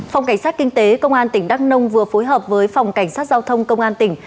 phòng cảnh sát kinh tế công an tỉnh đắk nông vừa phối hợp với phòng cảnh sát giao thông công an tỉnh